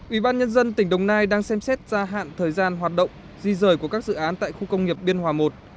ủy ban nhân dân tỉnh đồng nai đang xem xét gia hạn thời gian hoạt động di rời của các dự án tại khu công nghiệp biên hòa i